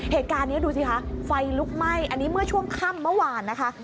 เหตุการณ์นี้ดูสิคะไฟลุกไหม้อันนี้เมื่อช่วงค่ำเมื่อวานนะคะ